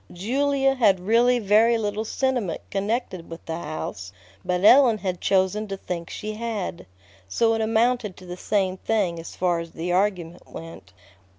Julia had really very little sentiment connected with the house, but Ellen had chosen to think she had; so it amounted to the same thing as far as the argument went.